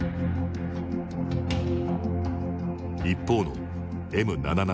一方のＭ７７７。